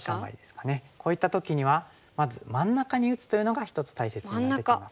こういった時にはまず真ん中に打つというのが一つ大切になってきます。